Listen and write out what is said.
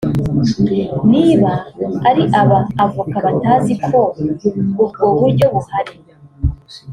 niba ari aba ‘avocats’ batazi ko ubwo buryo buhari